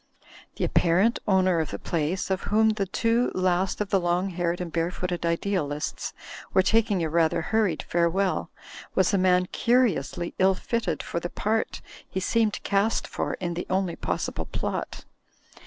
The apparent owner of the place, of whom the two last of the long haired and bare footed idealists were taking a rather hurried farewell, was a man curi ously ill fitted for the part he seemed cast for in the only possible plot.